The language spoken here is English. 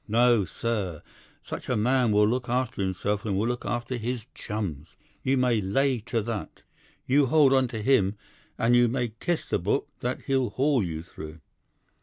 No, sir, such a man will look after himself and will look after his chums. You may lay to that! You hold on to him, and you may kiss the book that he'll haul you through."